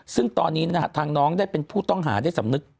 ซึ่งตอนนี้นะฮะทางน้องได้เป็นผู้ต้องหาได้สำนึก